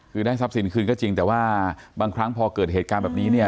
คือได้ทรัพย์สินคืนก็จริงแต่ว่าบางครั้งพอเกิดเหตุการณ์แบบนี้เนี่ย